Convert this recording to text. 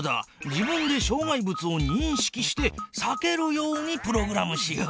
自分でしょう害物をにんしきしてさけるようにプログラムしよう。